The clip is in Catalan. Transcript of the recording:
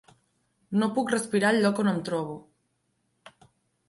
No puc respirar al lloc on em trobo.